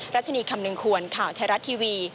รัชนีคำนึงควรข่าวไทยรัฐทีวี